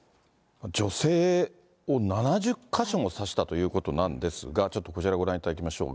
女性を７０か所も刺したということなんですが、ちょっとこちら、ご覧いただきましょう。